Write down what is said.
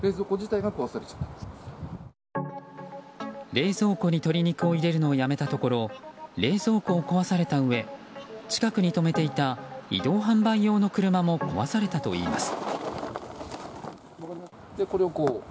冷蔵庫に鶏肉を入れるのをやめたところ冷蔵庫を壊されたうえ近くに止めていた移動販売用の車も壊されたといいます。